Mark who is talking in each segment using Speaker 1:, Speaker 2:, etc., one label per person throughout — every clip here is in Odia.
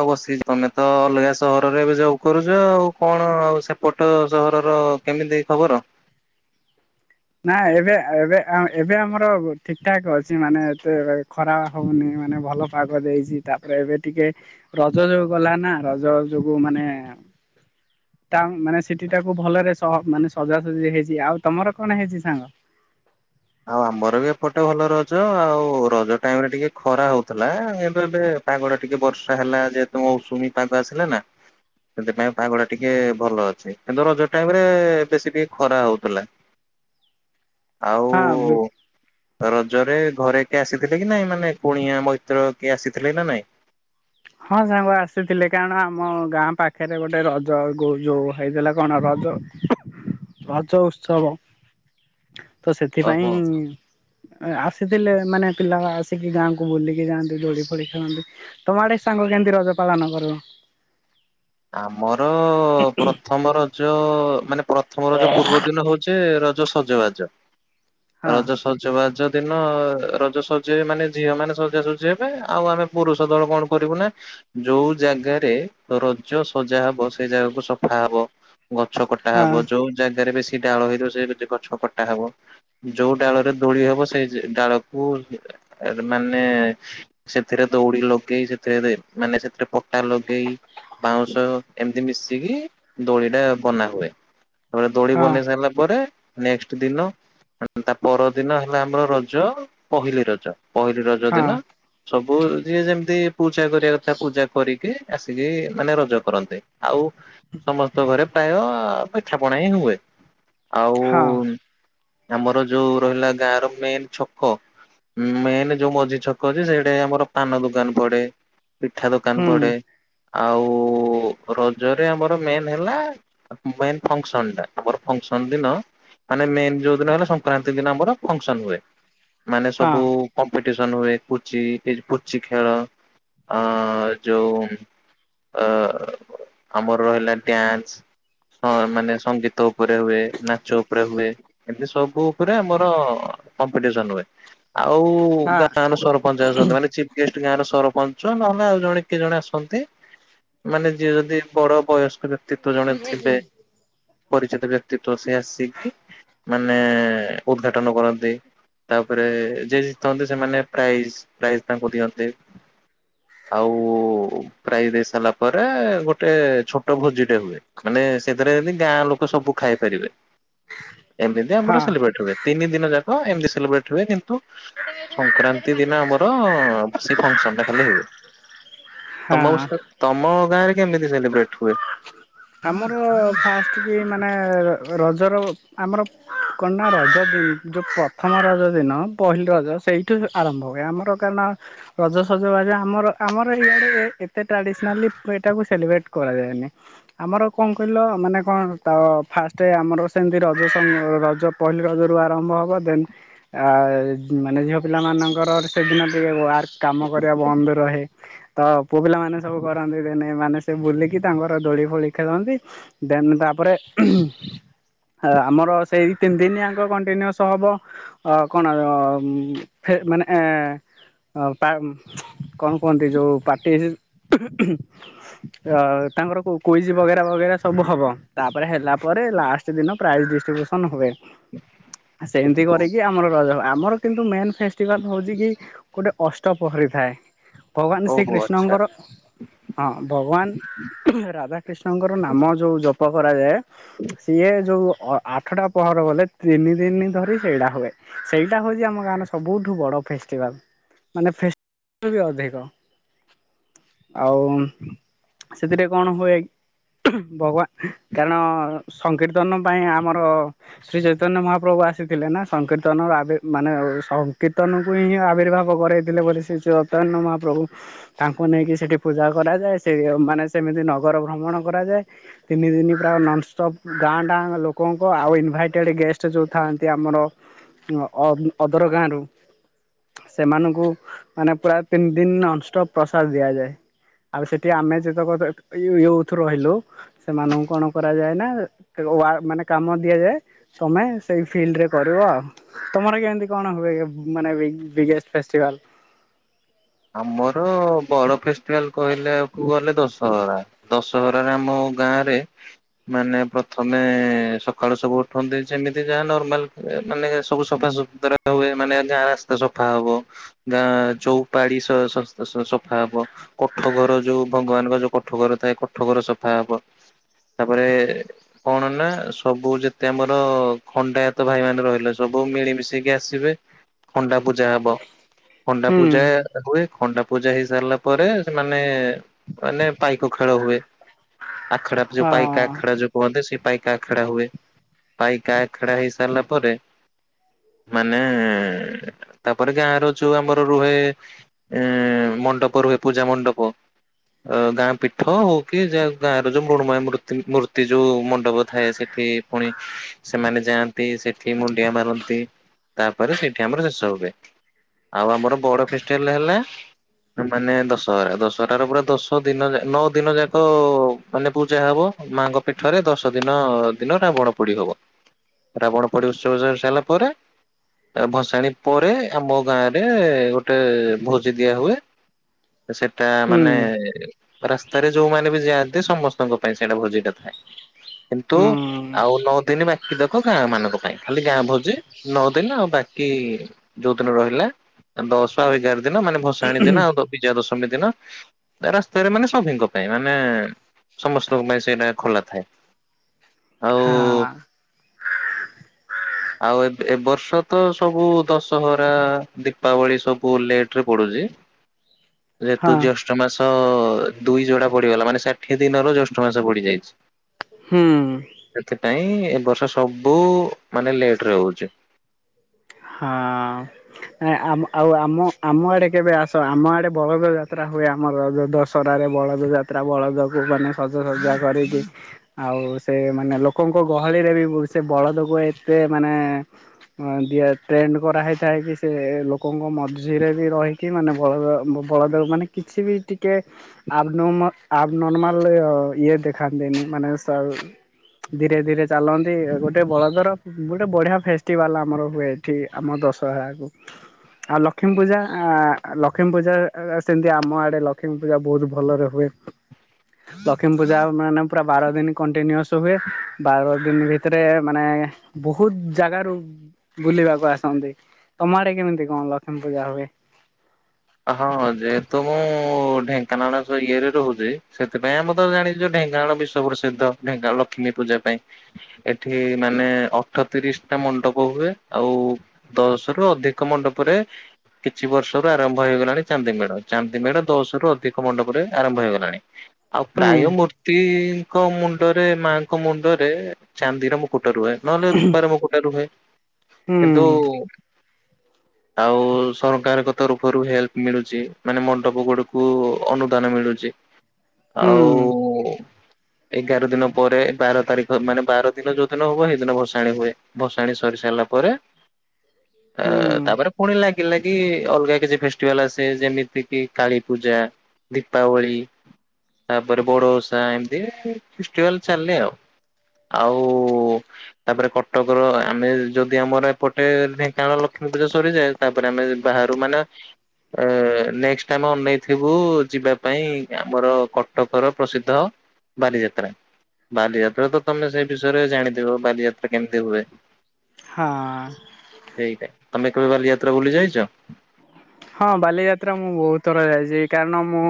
Speaker 1: ହଉ ବସି ତମେ ତ ଅଲଗା ସହରରେ ଏବେ ଜବ୍ କରୁଛ। ଆଉ କଣ ଆଉ ସେପଟ ସହରର କେମିତି ଖବର। [inaudible]
Speaker 2: ନା ଏବେ ଏବେ ଏବେ ଆମର ଠିକଠାକ୍ ଅଛି। ମାନେ ଏତେ ଖରା ହେଉନି ମାନେ ଭଲ ପାଗ ଦେଇଛି ତାପରେ ଏବେ ଟିକେ ରଜ ଯୋଉ ଗଲା ନା। ରଜ ଯୋଗୁ ମାନେ ତା ମାନେ ସେଠି ଟାକୁ ଭଲରେ ସ ମାନେ ସଜାସାଜି ହେଇଛି ଆଉ ତମର? କଣ ହେଇଛି ସାଙ୍ଗ?
Speaker 1: ଆଉ ଆମର ବି ଏପଟେ ଭଲ ରଜ ଆଉ ରଜ ଟାଇମ ରେ ଟିକେ ଖରା ହଉଥିଲା। କିନ୍ତୁ ଏବେ ପାଗଟା ଟିକେ ବର୍ଷା ହେଲା ଯେହେତୁ ମୌସୁମୀ ପାଗ ଆସିଲା ନା। ସେଥିପାଇଁ ପାଗ ଟା ଟିକେ ଭଲ ଅଛି। କିନ୍ତୁ ରଜ ଟାଇମ ରେ ବେଶୀ ଟିକେ ଖରା ହଉଥିଲା। [inaudible] ଆଉ
Speaker 2: ହଁ
Speaker 1: ଓ ରଜରେ ଘରେ କିଏ ଆସିଥିଲେ କି ନାଇଁ ମାନେ କୁଣିଆ ମ୍ୟତ୍ର କିଏ ଆସିଥିଲେ ନା ନାଇଁ।
Speaker 2: ହଁ ସାଙ୍ଗ ଆସିଥିଲେ କାରଣ ଆମ ଗାଁ ପାଖରେ ଗୋଟେ ରଜ ଯୋଉ ହେଇଥିଲା କଣ ରଜ ରଜ ଉତ୍ସବ। ତ ସେଥିପାଇଁ
Speaker 1: ଓହୋ
Speaker 2: ଆ ସେଥିଲେ ମାନେ ପିଲା ଆସିକି ଗାଁକୁ ବୁଲିକି ଯାଆନ୍ତି। ଦୋଳି ଫୋଲି ଖେଳନ୍ତି ତମ ଆଡେ ସାଙ୍ଗ କେମେତି ରଜ ପାଳନ କର।
Speaker 1: ଆମର ଅ ପ୍ରଥମ ର ଯ ମାନେ ପ୍ରଥମ ରଜ ପୂର୍ବ ଦିନ ହଉଛି ର ସଜ ବାଜ।
Speaker 2: ହଁ
Speaker 1: ରଜ ସଜ ବାଜ ଦିନ ରଜ ସଜେଇ ମାନେ ଝିଅ ମାନେ ସଜାସଜି ହେବେ। ଆଉ ଆମେ ପୁରୁଷ ଦଳ କଣ କରିବୁ ନା ଯୋଉ ଜାଗାରେ ର ଯଉ ସଜା ହବ ସେଇ ଜାଗାକୁ ସଫା ହବ। ଗଛ କଟା
Speaker 2: ହଁ
Speaker 1: ହବ ଯୋଉ ଜାଗାରେ ବେଶୀ ସେ ଡାଳ ହେଇଥିବ ସେ ଗଛ କଟା ହବ। ଯୋଉ ଡାଳରେ ଦୋଳି ହବ ସେଇ ଡାଳକୁ ମାନେ ସେଥିରେ ଦଉଡି ଲଗେଇ ସେଥିରେ ମାନେ ସେଥିରେ ପଟା ଲଗେଇ ବାଉଁଶ ଏମିତି ମିଶିକି ଦୋଳି ଟା ବନାହୁଏ। ତାପରେ ଦୋଲି
Speaker 2: ହଁ
Speaker 1: ବନେଇ ସାରିଲା ପରେ ନେକ୍ସଟ ଦିନ ତା ପର ଦିନ ହେଲା ଆମର ରଜ ପହିଲି ରଜ। ପହିଲି ର ଯୋଉ
Speaker 2: ହଁ
Speaker 1: ଦିନ ସବୁ ବହୁ ଯିଏ ଯେମିତି? ପୂଜା କରିବା କଥା ପୂଜା କରିକି? ଆସିକି? ମାନେ ରଜ କରନ୍ତି। ଆଉ ସମସ୍ତ ଘରେ ଟ ମ ପିଠାପଣା ହିଁ ହୁଏ। ଆଉ
Speaker 2: ହଁ
Speaker 1: ଆମର ଯୋଉ ରହିଲା ଗାଁର ମେନ ଛକ ମେନ ଯୋଉ ମଝି ଛକ ଅଛି ସେଇଟା ଆମର ପାନ ଦୋକାନ ପଡେ ପିଠା ଦୋକାନ
Speaker 2: ହୁଁ
Speaker 1: ପଡେ। ଆଉ ରଜରେ ଆମର ମେନ୍ ହେଲା ମେନ୍ ଫଙ୍କସନ୍ଟା ଆମର ଫଙ୍କସନ୍ ଦିନ ମାନେ ମେନ୍ ଯେଉଁ ଦିନ ହେଲା ସଂକ୍ରାନ୍ତି ଦିନ ଆମର ଫଙ୍କସନ୍ ହୁଏ। ମାନେ
Speaker 2: ହଁ
Speaker 1: ସବୁ କ ଟି ହୁଏ ପୁଚି ପୁଚି ଖେଳ ଆ ଯୋଉ ଅ ଆମର ରହିଲା ଡ୍ୟାନ୍ସ ମାନେ ସଙ୍ଗୀତ ଉପରେ ହୁଏ ନାଚ ଉପରେ ହୁଏ ଏମିତି ସବୁ ଉପରେ ଆମର କମ୍ପିଟିସନ ହୁଏ। ଆଉ
Speaker 2: ହଁ
Speaker 1: ଗାଁ ର ସରପଞ୍ଚ ଅଛନ୍ତି ମାନେ ଚିଫ୍ ଗେଷ୍ଟ। ଗାଁ ର ସରପଞ୍ଚ ନହେଲେ ଆଉ ଜଣେ କିଏ ଜଣେ ଆସନ୍ତି। ମାନେ ଯିଏ ଯଦି ବଡ ବୟସ୍ ବ୍ୟକ୍ତି୍ତ୍ଵ ଜଣେ ଥିବେ। ପରିଚିତ ବ୍ୟକ୍ତି୍ତ୍ଵ ସେ ଆସିକି ମାନେ ଉଦ୍ଘାଟନ କରନ୍ତି। ତାପରେ ଯେ ଯିତନ୍ତି ସେମାନେ ପ୍ରାଇଜ୍ ପ୍ରାଇଜ ତାଙ୍କୁ ଦିଅନ୍ତେ ଆଉ ପ୍ରାଇଜ ଦେଇ ସାରିଲା ପରେ ଗୋଟେ ଛୋଟ ଭୋଜି ଟେ ହୁଏ ମାନେ ସେଥିରେ ବି ଗାଁ ଲୋକ ସବୁ ଖାଇପାରିବେ। ଏମିତି ଆମର
Speaker 2: ହଁ
Speaker 1: ସେଲିବ୍ରେଟ୍ ହୁଏ ତିନି ଦିନ ଯା ହଁ ଏମିତିଲିବ୍ରେଟ ହୁଏ କିନ୍ତୁ ସଂକ୍ରାନ୍ତି ଦିନ ଆମର ସେ ଫଙ୍କସନ ଟା ଖାଲି ହୁଏ। ତମ
Speaker 2: ହଁ
Speaker 1: [unintelligible] ତମ ଗାଁରେ କେମିତି ସେଲିବ୍ରେଟ ହୁଏ।
Speaker 2: ଆମର ଫାଷ୍ଟ କି ମାନେ ରଜର ଆମର କନା ରଜ ଯଉ ପ୍ରଥମ ରଜ ଦିନ ପହିଲି ରଜ ସେଇଠୁ ଆରମ୍ଭ ହୁଏ ଆମର କାରଣ ରଜସଜବାଜ ଆମର ଆମର ଇଆଡ଼େ ଏତେ ଟ୍ରାଡ଼ିସନାଲି ଏଟାକୁ ସେଲିବ୍ରେଟ କରାଯାଏନି। ଆମର କଣ କହିଲ ମାନେ କଣ ତ ଫାଷ୍ଟ ଆମର ସେମିତି ରଜ ଅମ୍ ରଜ ପହିଲି ରଜରୁ ଆରମ୍ଭ ହେବ ଦେନ୍ ଆମ ମାନେ ଝିଅ ପିଲାମାନଙ୍କର ସେଦିନ ଟିକେ [unintelligible] କାମ କରିବା ବନ୍ଦ ରହେ। ତ ପୁଅ ପିଲାମାନେେ ସବୁ କରନ୍ତି ଦେନେ ଏମାନେ ସେ ବୁଲିକି ତାଙ୍କର ଦୋଳି ଫୋଳି [unintelligible] ନ୍ତି ଦେନ ତା ତାପରେ [inaudible] ଆମର ସେଇ ତିନି ଦିନ ଆଙ୍କ କଣ୍ଟିନ୍ୟୁସ୍ ହବ ଅ କଣ ଫେ ମାନେ [unintelligible] ବଗେରା ବଗେରା ସବୁ ହବ ତାପରେ ହେଲା ପରେ ଲାଷ୍ଟ ଦିନ ସେମିତି କରି ଆମର କିନ୍ତୁ ମେନ୍ ଫେଷ୍ଟିଭାଲ ହଉଛି କି ଗୋଟେ ଅଷ୍ଟ ପହରିଥାଏ। ଭଗବାନ
Speaker 1: ଓହୋ ଆଚ୍ଛା
Speaker 2: ଶ୍ରୀକୃଷ୍ଣଙ୍କର ହଁ ଭଗବାନ ରାଧା କ୍ରୀଷ୍ଣଙ୍କର ନାମ ଯୋଉ [unintelligible] [unintelligible] ପ କରାଯାଏ। ସିଏ ଯୋଉ ଅ ଆଠଟା ପହର ଗଲେ ତିନି ଦିନ ଧରି ସେଇଟା ହୁଏ। ଭଗବାନ କାରଣ ସଂକୀର୍ତ୍ତନ ପାଇଁ ଆମର ଶ୍ରୀ ଚୈତନ୍ୟ ମହାପ୍ରଭୁ ଆସିଥିଲେ ନା ସଂକୀର୍ତ୍ତନର ଆବି ମାନେ ସଂକୀର୍ତ୍ତନକୁ ହିଁ ଆବିର୍ଭାବ କରାଇଥିଲେ ବୋଲି ଶ୍ରୀ ଚୈତନ୍ୟ ମହାପ୍ରଭୁ ତାଙ୍କୁ ନେଇକି ସେଇଠି ପୂଜା କରାଯାଏ ସେ ମାନେ ସେମିତି ନଗର। ଭ୍ରମଣ କରାଯାଏ ତିନି ଦିନ ପ୍ରାୟ ନନଷ୍ଟପ୍ ଗାଁ ଟା ଲୋକଙ୍କ ଆଉ ଇନଭାଇଟେଡ଼ ଗେଷ୍ଟ ଯୋଉ ଥାନ୍ତି ଆମର ଅ ଅଦର ଗାଁରୁ ସେମାନଙ୍କୁ ମାନେ ପୁରା ତିନି ଦିନ ନନଷ୍ଟପ୍ ପ୍ରସାଦ ଦିଆଯାଏ ଆଉ ସେଠି ଆମେ ଯେତେକ ୟୁ ୟୁଥ୍ ଥ ରହିଲୁ ସେମାନଙ୍କୁ କଣ କରାଯାଏ ନା ମାନେ କାମ ଦିଆଯାଏ ତମେ ସେଇ ଫିଲ୍ଡରେ କରିବ ଆଉ ତମର କେମିତି କଣ ହୁଏ ମାନେ ବିଗେଷ୍ଟ ଫେଷ୍ଟିଭାଲ।
Speaker 1: ଆମର ବଡ଼ ଫେଷ୍ଟିଭାଲ କହିଲାକୁ ଗଲେ ଦଶହରା ଦଶହରାରେ ଆମ ଗାଁରେ ମାନେ ପ୍ରଥମେ ସକାଳୁ ସବୁ ଉଠନ୍ତି ଯେମିତି ଯାହା ନର୍ମାଲ ମାନେ ସବୁ ସଫା ସୁତୁରା ହୁଏ ମାନେ ଗାଁ ରାସ୍ତା ସଫା ହବ ଗାଁ ଯଉ। ପାଡି ସ-ସ-ସ-ସଫା ହବ କୋଠ ଘର ଯୋଉ ଭଗବାନଙ୍କ ଯୋଉ କୋଠ ଘର ଥାଏ କୋଠ ଘର ସଫା ହବ ତାପରେ କଣ ନା ସବୁ ଯେତେ ଆମର ଖଣ୍ଡାୟତ ଭାଇ ମାନ ରହିଲେ ସବୁ ମିଳିମିଶିକି ଆସିବେ ଖଣ୍ଡା ପୂଜା ହବ। ଖଣ୍ଡା
Speaker 2: ହୁଁ
Speaker 1: ପୂଜା। ହୁଏ ଖଣ୍ଡା ପୂଜା ହେଇ ସାରିଲା ପରେ ସେମାନେ ମାନେ ପାଇକ ଖେଳ ହୁଏ। ଆଖଡା ଯୋଉ
Speaker 2: ହଁ
Speaker 1: ପାଇକ ଆଖଡା ଯୋଉ କୁହନ୍ତି ସେ ପାଇକା ଆଖେଡା ହୁଏ ପାଇକ ଆଖେଡା ହେଇ ସାରିଲା ପରେ ମାନେ ତାପରେ ଗାଁ ର ଯୋଉ ଆମର ରୁହେ। ଏଁ ମଣ୍ଡପ ରୁହେ ପୂଜା ମଣ୍ଡପ ଅ ଗାଁ ପୀଠ ହଉ କି ଯ ଗାଁର ଯୋଉ ମୃଣମୟ ମୂତି ମୂର୍ତ୍ତି ଯୋଉ ମଣ୍ଡପ ଥାଏ ସେଠି ପୁଣି ସେମାନେ ଯାଆନ୍ତି ସେଠି ମୁଣ୍ଡିଆ ମାରନ୍ତି ତାପରେ ସେଇଠି ଆମର ଶେଷ ହୁଏ ଆଉ ଆମର ବଡ ଫ ହେଲା ମାନେ ଦଶହରା ଦଶହରା ର ପୁରା ଦଶ ଦିନ ନଅ ଦିନ ଯାକ ମାନେ ପୂଜା ହବ ମାଙ୍କ ପୀଠରେ ଦଶ ଦିନ ଦିନ ରାବଣ ପୋଡି ହବ ରାବଣ ପୋଡି ଉତ୍ସବ ସରି ସାରିଲା ପରେ ଭସାଣି ପରେ ଆମ ଗାଁ ରେ ଗୋ ଗୋଟେ ଭୋଜି ଦିଆ ହୁଏ ସେଟା
Speaker 2: ହୁଁ
Speaker 1: ମାନେ ରାସ୍ତାରେ ଯୋଉମାନେ ବି ଯାଆନ୍ତି ସମସ୍ତଙ୍କ ପାଇଁ ସେଇଟା ଭୋଜିଟା ଥାଏ କିନ୍ତୁ
Speaker 2: ହୁଁ
Speaker 1: ଆଉ ନଅ ଦିନ ବାକି ତକ ଗାଁ ମାନଙ୍କ ପାଇଁ ଖାଲି ଗାଁ ଭୋଜି ନଅ ଦିନ ଆଉ ବାକି ଯୋଉ ଦିନ ରହିଲା ଦଶ। ଗାର ଦିନ ମାନେ ଭସାଣି ଦିନ ଆଉ ବିଜୟା ଦଶମୀ ଦିନ ରାସ୍ତାରେ ମାନେ ସଭିଙ୍କ ପାଇଁ ମାନେ ସମସ୍ତଙ୍କ ପାଇଁ ସେଇଟା ଖୋଲା ଥାଏ ଆଉ
Speaker 2: ହଁ
Speaker 1: ଆଉ ଏବେ ଏ ଏ ବର୍ଷ ତ ସବୁ ଦଶହରା ଦୀପାବଳି ସବୁ। ପୁଅ ଲେଟ ରେ ପଡୁଛି ଯେହେତୁ
Speaker 2: ହଁ
Speaker 1: ଜେଷ୍ଠ ମାସ ଦୁଇ ଯୋଡା ପଡିଗଲା ମାନେ ଷାଠିଏ ଦିନର ଜେଷ୍ଠ ମାସ ପଡିଯାଇଛି
Speaker 2: ହୁଁ।
Speaker 1: ସେଥିପାଇଁ ଏ ବର୍ଷ ସବୁ ମାନେ ଲେଟରେ ହଉଛି।
Speaker 2: ହଁ ଆ ଆମ ଆଉ ଆମ ଆମ ଆଡ଼େ କେବେ ଆସ ଆମ ଆଡ଼େ ବଳଦ ଯାତ୍ରା ହୁଏ ଆମର ଯଉ ଦଶହରାରେ ବଳଦ ଯାତ୍ରା ବଳଦକୁ ମାନେ ସଜାସଜା କରିକି ଆଉ ସେ ମାନେ ଲୋକଙ୍କ ଗହଳିରେ ବି ସେ ବଳଦକୁ ଏତେ ମାନେ ଦିଆ। ଟ୍ରେଣ୍ଡ କରାହୋଇଥାଏ କି ସେ ଲୋକଙ୍କ ମଝିରେ ବି ରହିକି ମାନେ ବଳଦ ବଳଦର ମାନେ କିଛି ବି ଟିକେ ଆବନ ଆବ୍ନର୍ମାଲ ଇଏ ଦେଖାନ୍ତିନି ମାନେ ସ ଧୀରେ ଧୀରେ ଚାଲନ୍ତି ଗୋଟେ ବଳଦର ଗୋଟେ ବଢ଼ିଆ ଫେଷ୍ଟିଭାଲ୍ ଆମର ହୁଏ। ଏଠି ଆମ ଦଶହରାକୁ ଆଉ ଲକ୍ଷ୍ମୀ ପୂଜା ଆ ଲକ୍ଷ୍ମୀ ପୂଜା ସେମିତି ଆମ ଆଡେ ଲକ୍ଷ୍ମୀ ପୂଜା ବହୁତ ଭଲରେ ହୁଏ ଲକ୍ଷ୍ମୀ ପୂଜା ମାନେ ପୁରା ବାର ଦିନ କଣ୍ଟିନ୍ୟୁଅସ୍ ହୁଏ ବାର ଦିନ ଭିତରେ ମାନେ ବହୁତ ଜାଗାରୁ ବୁଲିବାକୁ। କୁ ଆସନ୍ତି ତମ ଆଡେ କେମିତି କଣ ଲକ୍ଷ୍ମୀ ପୂଜା ହୁଏ।
Speaker 1: ହଁ ଯେହେତୁ ମୁଁ ଢେଙ୍କାନାଳ ଇଏରେ ରହୁଛି ସେଥିପାଇଁ ଆମେ ତ ଜାଣିଛୁ ଢେଙ୍କାନାଳ ବିଶ୍ଵ ପ୍ରସିଦ୍ଧ ଢେଙ୍କାନଳ ଲକ୍ଷ୍ମୀ ପୂଜା ପାଇଁ ଏଠି ମାନେ ଅଠତିରିଶ ଟା ମଣ୍ଡପ ହୁଏ ଆଉ ଦଶ ରୁ ଅଧିକ ମଣ୍ଡପରେ କିଛି ବର୍ଷରୁ ଆର ହେଇଗଲାଣି ଚାନ୍ଦି ମେଢ ଚାନ୍ଦି ମେଢ ଦଶ ରୁ ଅଧିକ ମଣ୍ଡପରେ ଆରମ୍ଭ ହେଇଗଲାଣି। ଆଉ
Speaker 2: ହୁଁ
Speaker 1: ପ୍ରାୟମୂର୍ତ୍ତିଙ୍କ ମୁ ମୁଣ୍ଡରେ ମାଙ୍କ ମୁଣ୍ଡରେ ଚାନ୍ଦିର ମୁ କୁଟ ରୁହେ ନହେଲେ ରୁପର ମୁକୁଟ ରୁହେ କିନ୍ତୁ।
Speaker 2: ହୁଁ
Speaker 1: ଆଉ ସରକାର ଙ୍କ ତର ରୁ ହେଲ୍ପ ମିଳୁଛି ମାନେ ମଣ୍ଡପ ଗୁଡିକୁ ଅନୁଦାନ ମିଳୁଛି।
Speaker 2: ହୁଁ
Speaker 1: ଆଉ
Speaker 2: ହୁଁ।
Speaker 1: ଏଗାର ଦିନ ପରେ ବାର ତାରିଖ ମାନେ ବାର ଦିନ ଯୋଉ ଦିନ ହବ ସେଇଦିନ ଭସାଣି ହୁଏ ଭସାଣି ସରି ସାରିଲା ପରେ। ଆ
Speaker 2: ହୁଁ
Speaker 1: ତାପରେ ପୁଣି ଲାଗ ଲାଗି ଅଲଗା। କିଛି ଫେଷ୍ଟିଭାଲ ଆସେ ଯେମିତି କିି କାଳୀପୂଜା ଦୀପାବଳି ତାପରେ ବଡ ଓଷା ଏମିତି ଫେଷ୍ଟିଭାଲ ଚାଲେ ଆଉ ଆଉ ତାପରେ କଟକର ଆମେ ଯଦି ଆମର ଏପଟେ ଢେଙ୍କାନାଳ ଲକ୍ଷ୍ମୀ ପୂଜା ସରିଯାଏ ତାପରେ ଆମେ ବାହାରୁ ମାନେ। ଅ ନେକ୍ସଟ ଆମେ ଅନେଇଥିବୁ ଯିବା ପାଇଁ ଆମର କଟକର ପ୍ରସିଦ୍ଧ ବାଲିଯାତ୍ରା ବାଲିଯାତ୍ରା ତ ତମେ ସେଇ ବିଷୟରେ ଜାଣିଥିବ ବାଲିଯାତ୍ରା କେମିତି ହୁଏ।
Speaker 2: ହଁ।
Speaker 1: ସେଇଟା ତମେ। ର ଯାତ୍ରା ବୁଲି ଯାଇଛ।
Speaker 2: ହଁ ବାଲିଯାତ୍ରା ମୁଁ ବହୁତ ଥର ଯାଇଛି କାରଣ ମୁଁ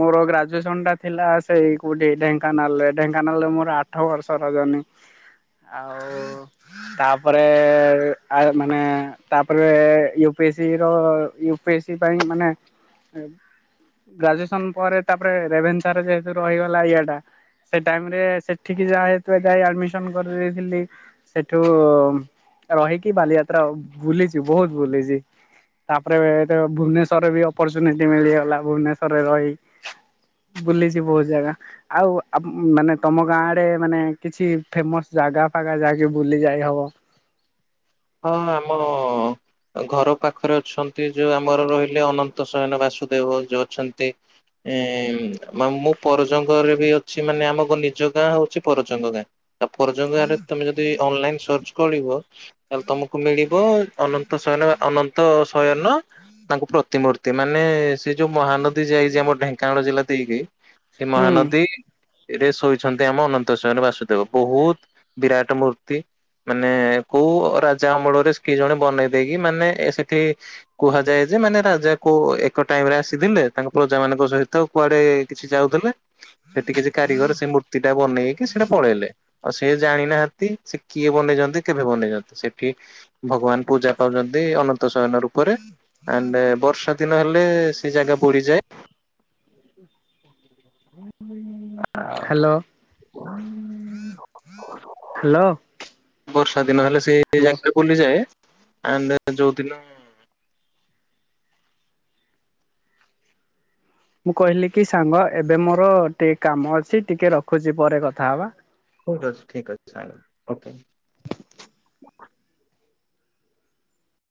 Speaker 2: ମୋର ଗ୍ରାଜୁଏସନ ଟା ଥିଲା ସେଇ କୋଉଠି ଢେଙ୍କାନାଳରେ ଢେଙ୍କାନାଳରେ ମୋର ଆଠ ବର୍ଷର ଜର୍ଣ୍ଣି ଆଉ ତାପରେ ଆ ମାନେ ତାପରେ ୟୁ ପି ଏସିର। ୟୁପିଏସି ପାଇଁ ମାନେ ଗ୍ରାଜୁଏସନ ପରେ ତାପରେ ରେଭେନ୍ସାର ଯେହେତୁ ରହିଗଲା ୟାଟା ସେ ଟାଇମ ରେ ସେଠିକି ଯାଏତୁ ଯାଇ ଆଡମିସନ କରିଦେଇଥିଲି ସେଠୁ ରହିକି ବାଲିଯାତ୍ରା ବୁଲିଛି ବହୁତ ବୁଲିଛି ତା। ରେ ଭୁବନେଶ୍ୱରରେ ବି ଅପରଚୁନିଟି ମିଳିଗଲା ଭୁବନେଶ୍ଵରରେ ରହି ବୁଲିଛି ବହୁତ ଜାଗା ଆଉ ମାନେ ତମ ଗାଁ ଆଡେ ମାନେ କିଛି ଫେମସ ଜାଗା ଫାଗା ଯାହାକି ବୁଲି ଯାଇ ହବ।
Speaker 1: ହଁ ଆମ ଘର ପାଖରେ ଅଛନ୍ତି ଯୋଉ ଆମର ରହିଲେ ଅନନ୍ତସୟନ ବାସୁଦେବ ଯୋଉ ଅଛନ୍ତି ଏଁ ମୁଁ ପରଜଙ୍ଗରେ ବି ଅଛି ମାନେ ଆମ ନିଜ ଗାଁ ହଉଛି ପରଜଙ୍ଗ ଗାଁ। ତା ପରଜଙ୍ଗ ଗାଁରେ ତମେ ଯଦି ଅନଲାଇନ। ସର୍ଚ୍ଚ କରିବ। ତାହଲେ ତମକୁ ମିଳିବ ଅନନ୍ତ ଶୟନ ଅନନ୍ତ ଶୟନ ତାଙ୍କ ପ୍ରତିମୂର୍ତ୍ତି ମାନେ। ସେ ଯୋଉ ମହାନଦୀ ଯାଇଛି ଆମ ଢେଙ୍କାନାଳ ଜିଲ୍ଲା। ଦେଇ ଦେ। ସେ
Speaker 2: ହୁଁ
Speaker 1: ମହାନଦୀ ରେ ଶୋଇଛନ୍ତି ଆମ ଅନନ୍ତ ଶୟନ ବାସୁଦେବ ବହୁତ ବିରାଟ ମୂର୍ତ୍ତି ମାନେ କୋଉ ରାଜା ଅମଳରେ ସେଏ ଜଣେ ବନେଇ ଦେଇକି ମାନେ ସେଠି କୁହାଯାଏ ଯେ ମାନେ ରାଜା କୋ ଏକ ଟାଇମ ରେ ଆସିଥିଲେ ତାଙ୍କ ପ୍ରଜା ମାନଙ୍କ ସହିତ କୁଆଡେ କିଛି ଯାଉଥିଲେ ସେଠି କିଛି କାରିଗର ସେ ମୂର୍ତ୍ତି ଟା ବନେଇକି ସେଟା ପଳେଇଲେ ଆଉ ସେ ଜାଣିନାହାନ୍ତି ସେ କିଏ ବନେଇଛନ୍ତି କେବେ ବନେଇଛନ୍ତି ସେଠ ଭଗବାନ ପୂଜା ପାଉଛନ୍ତି ଅନନ୍ତ ଶୟନ ରୂପରେ ଆଣ୍ଡ ବର୍ଷା ଦିନ ହେଲେ ସେ ଜାଗା ବୁଡିଯାଏ। ଆ
Speaker 2: ହ୍ୟାଲୋ ହ୍ୟାଲୋ
Speaker 1: ବର୍ଷା ଦିନ ହେଲେ ସେ
Speaker 2: ହ୍ୟାଲୋ
Speaker 1: ଜାଗଟା [unintelligible] ଆଣ୍ଡ ଯଉଦିନ
Speaker 2: ମୁଁ କହିଲି କି ସାଙ୍ଗ ଏବେ ମୋର ଟିକେ କାମ ଅଛି ଟିକେ ରଖୁଛି ପରେ କଥା ହବା।
Speaker 1: ଠିକ ଅଛି ଠିକ ଅଛି ସାଙ୍ଗ ଓକେ।